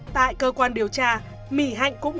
tại cơ quan điều tra mỹ hạnh cũng